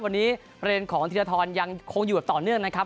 วันนี้เรียนของธีรทรยังคงอยู่ต่อเนื่องนะครับ